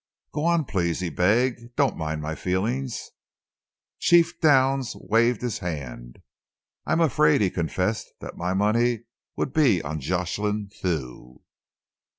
"Go on, please," he begged. "Don't mind my feelings." Chief Downs waved his hand. "I'm afraid," he confessed, "that my money would be on Jocelyn Thew."